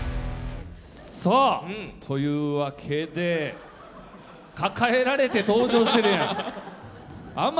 というわけで、抱えられて登場してるやん。